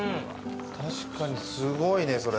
確かにすごいねそれ。